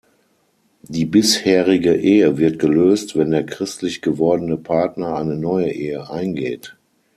Die bisherige Ehe wird gelöst, wenn der christlich gewordene Partner eine neue Ehe eingeht.